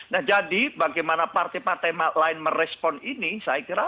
nah jadi bagaimana partai partai lain merespon ini saya kira